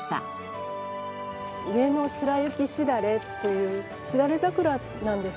上野白雪枝垂というしだれ桜なんですけども。